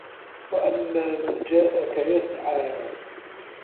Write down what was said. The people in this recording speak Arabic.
وَأَمّا مَن جاءَكَ يَسعى